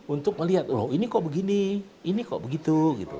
untuk melihat loh ini kok begini ini kok begitu